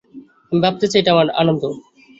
আমি ভাবতে চাই এটা আমার আনন্দ।